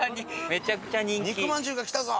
肉まんじゅうが来たぞ！